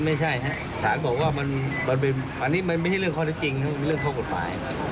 ไม่ใช่ครับสารบอกว่ามันเป็นอันนี้มันไม่ใช่เรื่องข้อได้จริงครับเป็นเรื่องข้อกฎหมายครับ